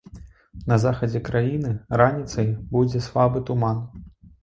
На захадзе краіны раніцай будзе слабы туман.